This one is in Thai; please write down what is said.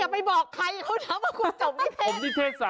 ไปบอกใครก็จะจบนิเทศกัน